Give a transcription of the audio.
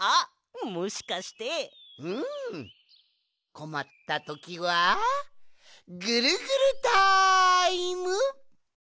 こまったときはぐるぐるタイム！